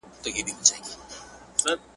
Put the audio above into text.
او اقتصادي هايبريډيټي سربېره کولای سي